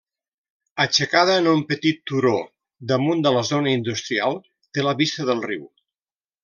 Aixecada en un petit turó, damunt de la zona industrial, té la vista del riu.